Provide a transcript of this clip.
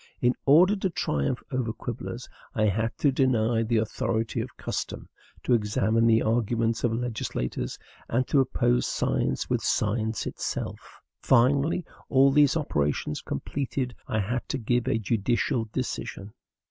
In order to triumph over quibblers, I had to deny the authority of custom, to examine the arguments of legislators, and to oppose science with science itself. Finally, all these operations completed, I had to give a judicial decision.